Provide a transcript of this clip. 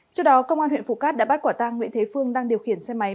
trước đó công an huyện phú cát đã bắt quả tang nguyễn thế phương đang điều khiển xe máy